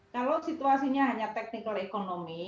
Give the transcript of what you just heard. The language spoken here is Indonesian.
kalau situasinya hanya teknikal ekonomi